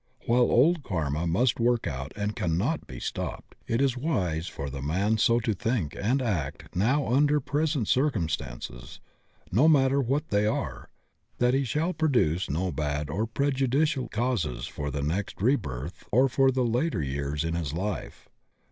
While old karma must work out and cannot be stopped, it is wise for the man to so think and act now imder present cir cumstances, no matter what they are, that he shall produce no bad or prejudicial causes for the next re birth or for later years in this life.